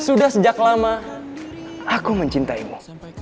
sudah sejak lama aku mencintaimu